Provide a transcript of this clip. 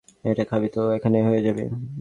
এটা খাবি, তো এখানের হয়ে যাবি।